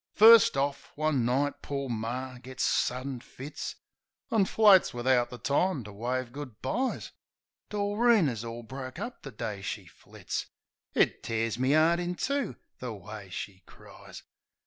First orf, one night poor Mar gits suddin fits, An' floats wivout the time to wave "good byes." Doreen is orl broke up the day she flits; It tears me 'eart in two the way she cries.